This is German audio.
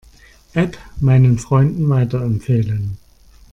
App meinen Freunden weiterempfehlen.